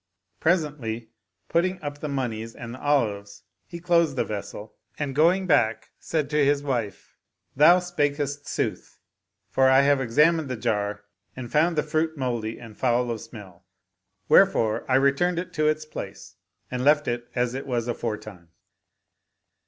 Presently, putting up the moneys and the olives he closed the vessel and going back said to his wife, "Thou spakest sooth, for I have examined the jar and have found the fruit moldy and foul of smell; where fore I returned it to its place and left it as it was aforetime."